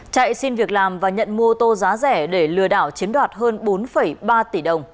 chạy xin việc làm và nhận mua tô giá rẻ để lừa đảo chiếm đoạt hơn bốn ba tỷ đồng